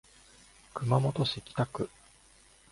熊本市北区